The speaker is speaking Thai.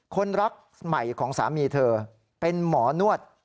คนรักใหม่ของสามีเธอเป็นหมอนวด